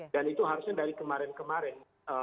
dan itu harusnya dari kemarin kemarin